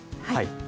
はい。